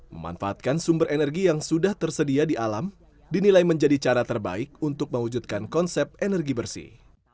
memanfaatkan sumber energi yang sudah tersedia di alam dinilai menjadi cara terbaik untuk mewujudkan konsep energi bersih